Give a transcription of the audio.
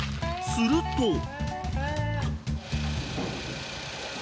［すると］